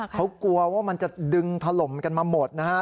เขากลัวว่ามันจะดึงถล่มกันมาหมดนะฮะ